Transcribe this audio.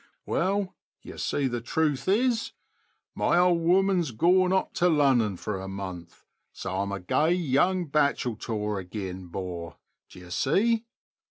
A. ''Well, y'see, th' truth is, my ould ooman's gorn op ta Lunnon fer a month, so I'm a gay young bacheltor agin, 'bor — de'y'see?